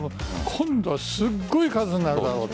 今度はすごい数になるだろうって。